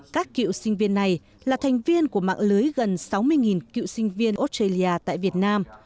các cựu sinh viên này là thành viên của mạng lưới gần sáu mươi cựu sinh viên australia tại việt nam